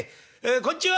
「こんちは！」。